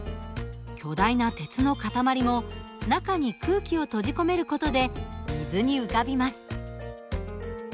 巨大な鉄の塊も中に空気を閉じ込める事で水に浮かびます。